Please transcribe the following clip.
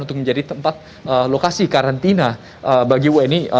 untuk menjadi tempat lokasi karantina bagi wni